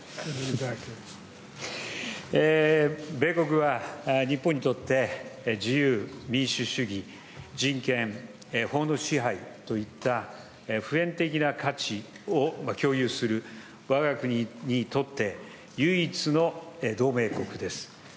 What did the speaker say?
米国は日本にとって、自由、民主主義、人権、法の支配といった普遍的な価値を共有する、わが国にとって唯一の同盟国です。